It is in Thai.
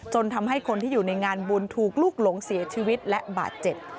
ทำให้คนที่อยู่ในงานบุญถูกลูกหลงเสียชีวิตและบาดเจ็บ